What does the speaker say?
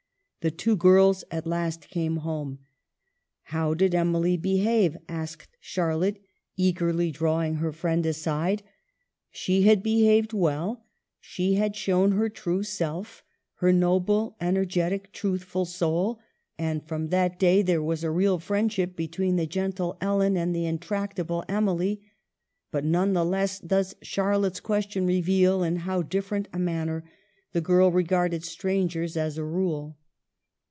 The two girls at last came home. M How did Emily behave ?" asked Charlotte, eagerly, draw 72 EMILY BRONTE. ing her friend aside. She had behaved well ; she had shown her true self, her noble, energetic, truthful soul, and from that day there was a real friendship between the gentle Ellen and the intractable Emily ; but none the less does Char lotte's question reveal in how different a manner the girl regarded strangers as a rule.